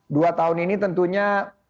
dua tahun ini tentunya